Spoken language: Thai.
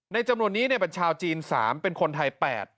จำนวนนี้เป็นชาวจีน๓เป็นคนไทย๘